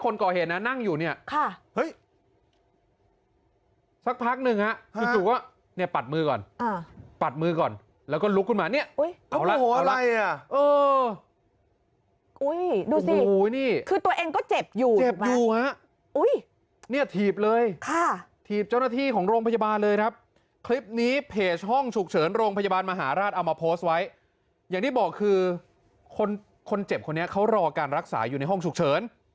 เนี่ยจังหวะที่คนก่อเห็นนั่งอยู่เนี่ยค่ะฮึ้ย